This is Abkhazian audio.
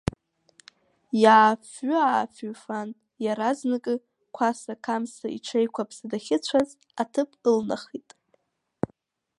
Иаафҩы-аафҩыфан, иаразнакы, Қәаса-қамса иҽеикәаԥса дахьыцәаз аҭыԥ ылнахит.